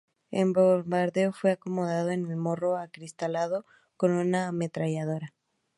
El bombardero fue acomodado en el morro acristalado, con una ametralladora.